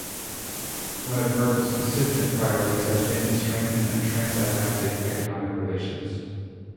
One of Merkel's consistent priorities has been to strengthen transatlantic economic relations.